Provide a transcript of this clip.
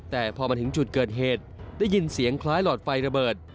แต่พอมาถึงจุดเกิดเหตุได้ยินเสียงคล้ายหลอดไฟระเบิด